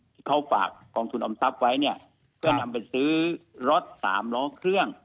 ที่เขาฝากกองทุนออมทรัพย์ไว้เนี่ยเพื่อนำไปซื้อรถสามล้อเครื่อง